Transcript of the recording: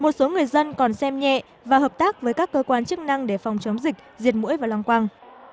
một số người dân còn xem nhẹ và hợp tác với các cơ quan chức năng để phòng chống dịch diệt mũi và lăng quăng